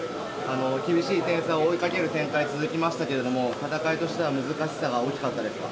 厳しい点差を追いかける展開続きましたけれども、戦いとしては難しさが大きかったですか。